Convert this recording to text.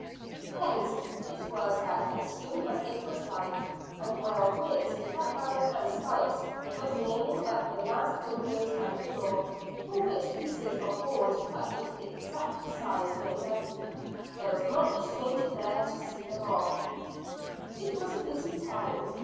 Hence it was that as soon as it was light, and while Griggs with a hammer and spikes was nailing up the last windows and the door, for which pieces of board cut to the exact size lay ready, there was not a stranger there to see them off. It was a busy time.